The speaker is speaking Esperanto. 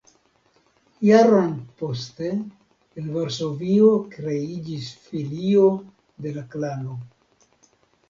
Jaron poste en Varsovio kreiĝis filio de la Klano.